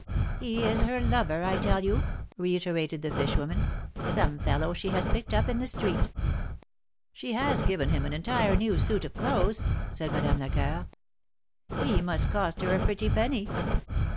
'^'' He is her lover, I tell you !" reiterated the fish woman — some fellow she has picked up in the street." She has given him an entire new suit of clothes," said Madame Lecoeur. He must cost her a pretty penny."